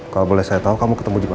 kalau boleh saya tahu kamu ketemu gimana